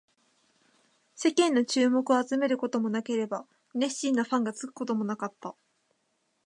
世間の注目を集めることもなければ、熱心なファンがつくこともなかった